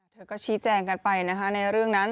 เธอก็ชี้แจงกันไปนะคะในเรื่องนั้น